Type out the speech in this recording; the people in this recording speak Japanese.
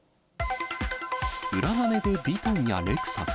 裏金でヴィトンやレクサス？